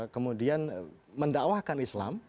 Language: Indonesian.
kemudian mendakwakan islam